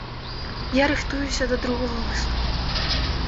Я рыхтуюся да другога выступу.